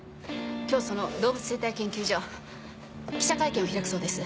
今日その動物生態研究所記者会見を開くそうです。